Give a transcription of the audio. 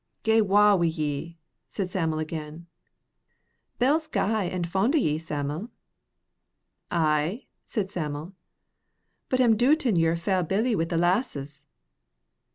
"Gae wa wi' ye," said Sam'l again. "Bell's gei an' fond o' ye, Sam'l." "Ay," said Sam'l. "But am dootin' ye're a fell billy wi' the lasses."